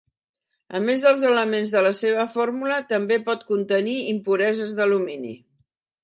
A més dels elements de la seva fórmula també pot contenir impureses d'alumini.